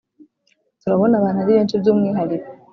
turabona abantu ari benshi by’umwihariko